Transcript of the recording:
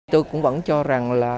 tôi cũng vẫn cho rằng là